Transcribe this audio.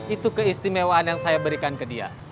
itu keistimewaan yang saya berikan ke dia